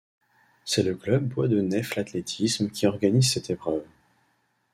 C'est le club Bois de Nèfles Athlétisme qui organise cette épreuve.